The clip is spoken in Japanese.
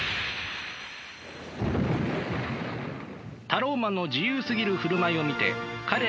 タローマンの自由すぎる振る舞いを見て彼らは思った。